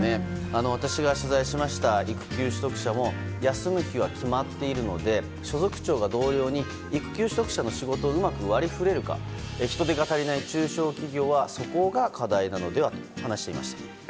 私が取材しました育休取得者も休む日は決まっているので所属長が同僚に育休取得者の仕事をうまく割り振れるか人手が足りない中小企業はそこが課題なのではと話していました。